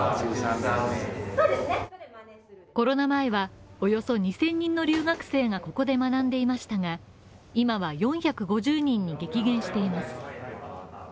コロナ前はおよそ２０００人の留学生がここで学んでいましたが今は、４５０人に激減しています。